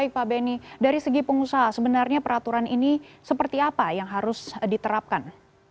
baik pak beni dari segi pengusaha sebenarnya peraturan ini seperti apa yang harus diterapkan